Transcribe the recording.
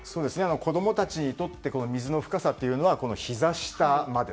子供たちにとって水の深さというのはひざ下まで。